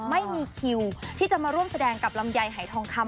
ไม่มีคิวที่จะมาร่วมแสดงกับลำไยหายทองคำ